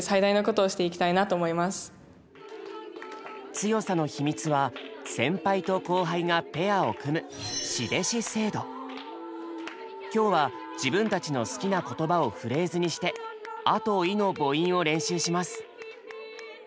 強さの秘密は先輩と後輩がペアを組む今日は自分たちの好きな言葉をフレーズにして「ア」と「イ」の母音を練習します。